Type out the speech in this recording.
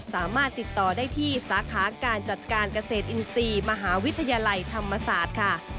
สามารถติดต่อได้ที่สาขาการจัดการเกษตรอินทรีย์มหาวิทยาลัยธรรมศาสตร์ค่ะ